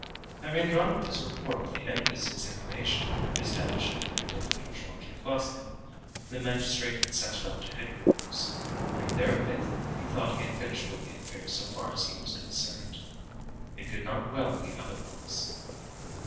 After having drawn up his report at the end of his examination establishing the identity of Joam Dacosta, the magistrate had sent it off to headquarters, and therewith he thought he had finished with the affair so far as he was concerned. It could not well be otherwise.